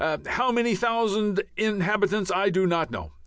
How many thousand inhabitants I do not know.